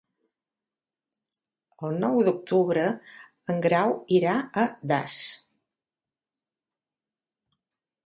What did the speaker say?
El nou d'octubre en Grau irà a Das.